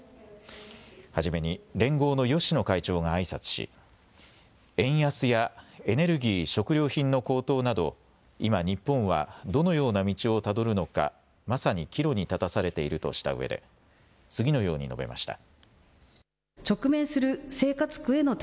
初めに連合の芳野会長があいさつし円安やエネルギー・食料品の高騰など今日本はどのような道をたどるのか、まさに岐路に立たされているとしたうえで次のように述べました。